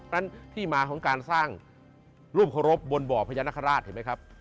เพราะฉะนั้นที่มาของการสร้างรูปโครบบนบ่อพญานคราชเห็นไหมครับ